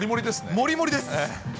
もりもりです。